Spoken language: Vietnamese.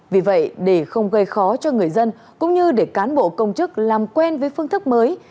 vì vậy để không gây khó cho người dân cũng như để cán bộ công chức làm quen với phương thức mới